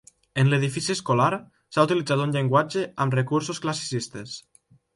En l'edifici escolar s'ha utilitzat un llenguatge amb recursos classicistes.